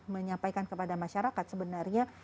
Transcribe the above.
menyampaikan kepada masyarakat sebenarnya